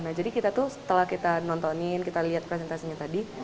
nah jadi kita tuh setelah kita nontonin kita lihat presentasinya tadi